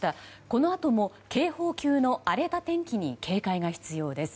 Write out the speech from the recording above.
このあとも警報級の荒れた天気に警戒が必要です。